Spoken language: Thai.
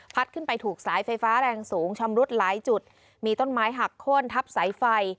ขึ้นไปถูกสายไฟฟ้าแรงสูงชำรุดหลายจุดมีต้นไม้หักโค้นทับสายไฟ